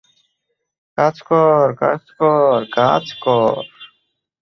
কাজ কর, কাজ কর, কাজ কর।